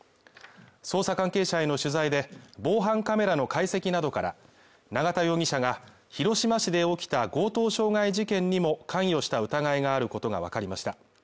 捜査関係者への取材で、防犯カメラの解析などから永田容疑者が広島市で起きた強盗傷害事件にも関与した疑いがあることがわかりました。